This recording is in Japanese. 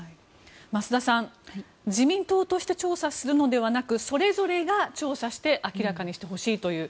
増田さん自民党として調査するのではなくそれぞれが調査して明らかにしてほしいという。